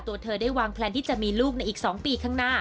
ตัวเธอได้วางแพลนที่จะมีลูกในอีก๒ปีข้างหน้า